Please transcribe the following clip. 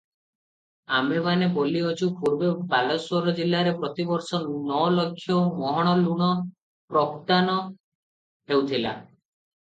ଆମ୍ଭେମାନେ ବୋଲିଅଛୁଁ, ପୂର୍ବେ ବାଲେଶ୍ୱର ଜିଲ୍ଲାରେ ପ୍ରତି ବର୍ଷ ନ ଲକ୍ଷ ମହଣ ଲୁଣ ପ୍ରୋକ୍ତାନ ହେଉଥିଲା ।